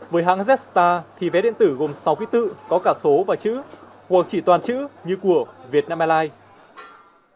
với hãng zstar thì vé điện tử gồm sáu quý tự có cả số và chữ hoặc chỉ toàn chữ như của việt nam airlines